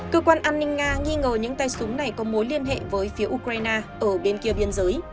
cơ quan an ninh nga nghi ngờ những tay súng này có mối liên hệ với phía ukraine ở bên kia biên giới